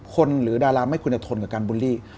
หรือดาราไม่ควรจะทนกับการบูลลี่